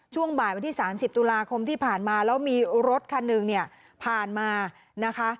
ช่วงบ่ายวันที่๓๐ตุลาคมที่ผ่านมาแล้วมีรถคันหนึ่งเนี่ยผ่านมานะคะ